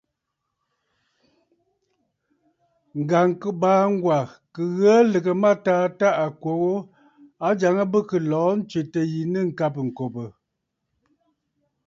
Ŋ̀gàŋkɨbàa Ŋgwa kɨ ghə̀ə lɨ̀gə mâtaa tâ à kwo ghu, a ajàŋə bɨ kɨ̀ lɔ̀ɔ̂ ǹtswètə̂ yi nɨ̂ ŋ̀kabə̀ ŋ̀kòbə̀.